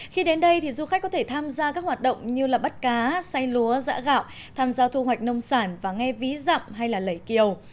khi đến đây thì du khách có thể tham gia các hoạt động như bắt cá xay lúa rã gạo tham gia thu hoạch nông sản và nghe ví dặm hay lẩy kiều